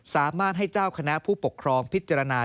สามารถให้เจ้าคณะผู้ปกครองพิจารณา